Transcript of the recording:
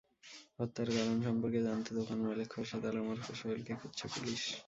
হত্যার কারণ সম্পর্কে জানতে দোকানমালিক খোরশেদ আলম ওরফে সোহেলকে খুঁজছে পুলিশ।